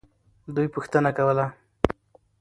دوی پوښتنه کوله.